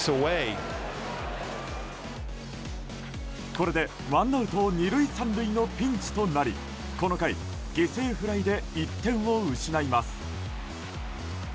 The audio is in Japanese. これでワンアウト２、３塁のピンチとなりこの回、犠牲フライで１点を失います。